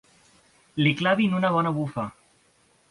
Li clavin una bona bufa.